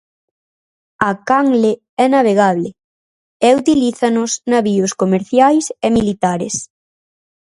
A canle é navegable e utilízanos navíos comerciais e militares.